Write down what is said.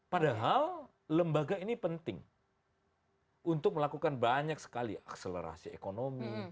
padahal lembaga ini penting untuk melakukan banyak sekali akselerasi ekonomi